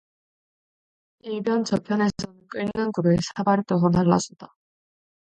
일변 저편에서는 끓는 국을 사발에 떠서 날라 준다.